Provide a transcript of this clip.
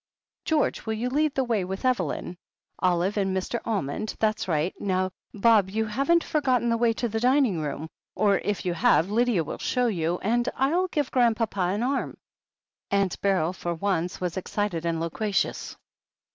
George, will you lead the way with Eveyln ?— Olive and Mr. Almond — ^that's right — ^now, Bob, you haven't forgotten the way to the dining room — or, if you have, Lydia will show you — ^and Til give Grandpapa an arm." Aunt Beryl, for once, was excited and loquaciotis.